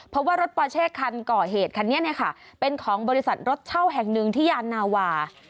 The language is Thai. เพราะว่ารถปอเช่คันก่อเหตุคันนี้เนี่ยค่ะเป็นของบริษัทรถเช่าแห่งหนึ่งที่ยานนาวา